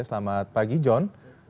selamat pagi jon